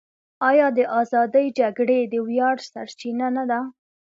آیا د ازادۍ جګړې د ویاړ سرچینه نه ده؟